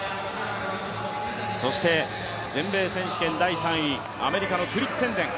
そして全米選手権第３位アメリカのクリッテンデン。